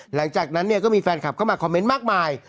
หลังจากนั้นเนี่ยก็มีแฟนคลับเข้ามาคอมเมนต์มากมาย